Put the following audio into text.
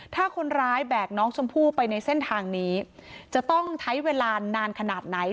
ถ้าคนร้ายแบกน้องชมพู่ไปในเส้นทางนี้จะต้องใช้เวลานานขนาดไหน